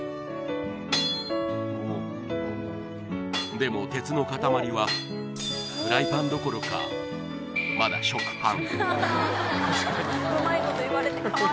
でも鉄の塊は、フライパンどころか、まだ食パン。